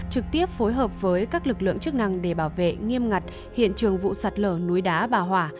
trực tiếp phối hợp với các lực lượng chức năng để bảo vệ nghiêm ngặt hiện trường vụ sạt lở núi đá bà hỏa